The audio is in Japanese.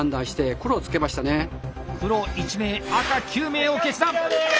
黒１名赤９名を決断！